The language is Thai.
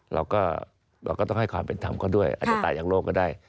เราก็ต้องให้ความเป็นธรรมเขาด้วยอาจจะตายจากโลกก็ได้